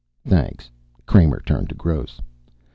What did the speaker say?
"Thanks." Kramer turned to Gross.